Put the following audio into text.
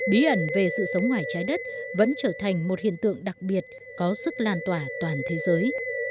bí ẩn về sự sống ngoài trái đất vẫn trở thành một hiện tượng đặc biệt có sức lan tỏa toàn thế giới